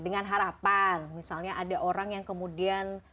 dengan harapan misalnya ada orang yang kemudian